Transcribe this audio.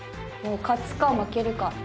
もう勝つか負けるか。